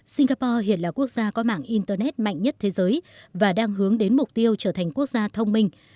singapore hiện là quốc gia có mạng internet mạnh nhất thế giới và đang hướng đến mục tiêu trở thành quốc gia thông minh